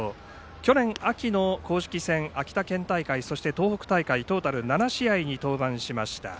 去年秋の公式戦、秋田県大会そして東北大会トータル７試合に登板しました。